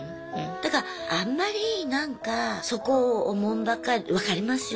だからあんまりなんかそこをおもんぱかる分かりますよ